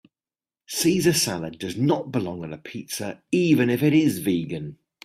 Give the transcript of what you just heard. Caesar salad does not belong on a pizza even if it is vegan.